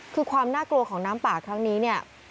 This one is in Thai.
คือความน่ากลัวของน้ำป่าครั้งนี้เนี่ย